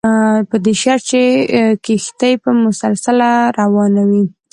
په دې شرط چې کښتۍ به مسلسله روانه وي.